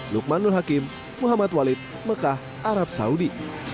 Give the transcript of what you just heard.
lukmanul hakim muhammad walid mekah arab saudi